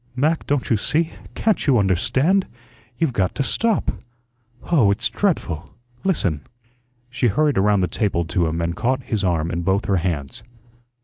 "Mac, don't you see? Can't you understand? You've got to stop. Oh, it's dreadful! Listen." She hurried around the table to him and caught his arm in both her hands.